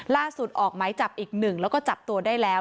ล่าสุดออกไม้จับอีกหนึ่งแล้วก็จับตัวได้แล้ว